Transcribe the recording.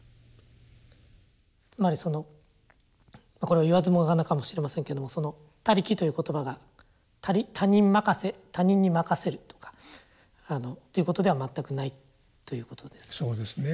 つまりそのこれは言わずもがなかもしれませんけども「他力」という言葉が他人任せ他人に任せるとかっていうことでは全くないということですね。